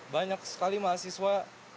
banyak sekali mahasiswa